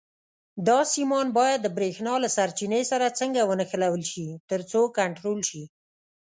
دا سیمان باید د برېښنا له سرچینې سره څنګه ونښلول شي ترڅو کنټرول شي.